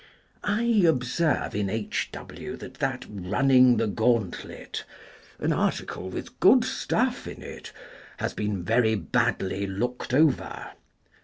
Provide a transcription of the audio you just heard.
I observe in H. W. that that " Running the Gaunt let "* (an article with good stuff in it) has been very badly looked over.